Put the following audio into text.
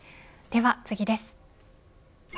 では次です。